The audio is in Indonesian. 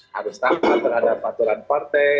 harus tahu harus ada paturan partai